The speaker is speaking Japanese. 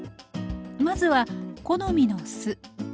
まずは好みの酢。